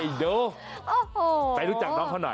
เดี๋ยวไปรู้จักน้องเขาหน่อย